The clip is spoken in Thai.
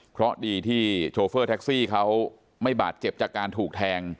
เพราะดีที่โชเฟอร์แท็กซี่เขาไม่บาดเจ็บจากการถูกแทง